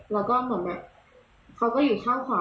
แล้วก็เหมือนแบบเขาก็อยู่ข้าวของ